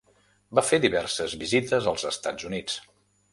Va fer diverses visites als Estats Units.